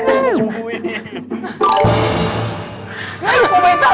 กูล้าวจนสุด